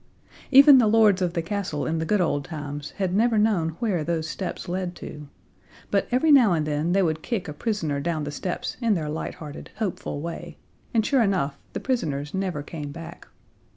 Even the lords of the castle in the good old times had never known where those steps led to, but every now and then they would kick a prisoner down the steps in their lighthearted, hopeful way, and sure enough, the prisoners never came back.